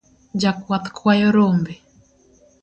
Jakwath kwayo rombe.